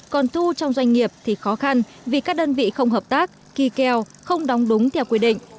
còn thu trong doanh nghiệp thì khó khăn vì các đơn vị không hợp tác kỳ kèo không đóng đúng theo quy định